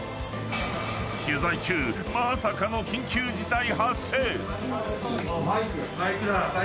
取材中、まさかの緊急事態発生。